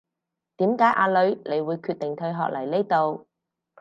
點解阿女你會決定退學嚟呢度